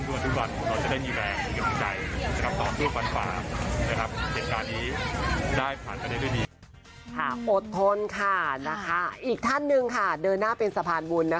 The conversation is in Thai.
อดทนค่ะอีกท่านหนึ่งเดินหน้าเป็นสะพานบุญ